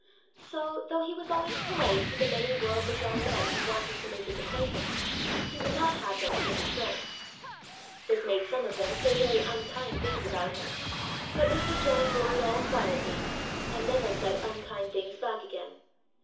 So, though he was always polite to the many worldly young men who wanted to make his acquaintance, he would not have them for his friends. This made some of them say very unkind things about him; but Mr. John bore it all quietly, and never said unkind things back again.